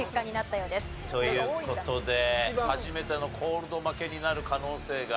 という事で初めてのコールド負けになる可能性が。